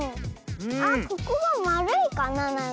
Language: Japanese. あっここはまるいかななんか。